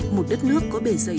một đất nước có bề dày